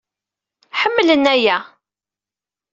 Ḥemmlen aya.